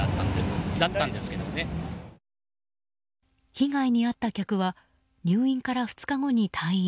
被害に遭った客は入院から２日後に退院。